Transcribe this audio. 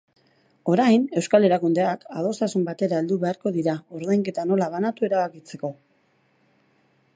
Orain, euskal erakundeak adostasun batera heldu beharko dira ordainketa nola banatu erabakitzeko.